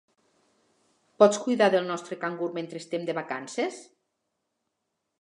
Pots cuidar del nostre cangur mentre estem de vacances?